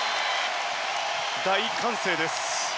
大歓声です。